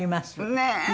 ねえ！